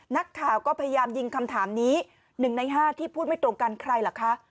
นักข่าวก็พยายามยิงคำถามนี้๑ใน๕ที่พูดไม่ตรงกันใครเหรอคะ